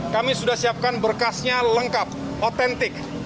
kami sudah siapkan berkasnya lengkap otentik